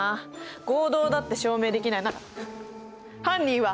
合同だって証明できないなら犯人はあなたよ！